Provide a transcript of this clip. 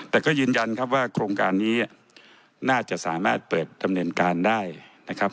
แต่ก็ยืนยันครับว่าโครงการนี้น่าจะสามารถเปิดดำเนินการได้นะครับ